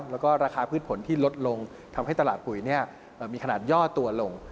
แล้วก็ราคาพืชผลที่ลดลงทำให้ตลาดปุ๋ยมีขนาดย่อตัวลง